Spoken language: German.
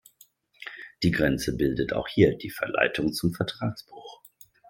Die Grenze bildet auch hier die Verleitung zum Vertragsbruch.